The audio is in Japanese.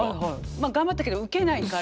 まあ頑張ったけどウケないから。